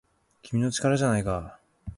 「君の！力じゃないか!!」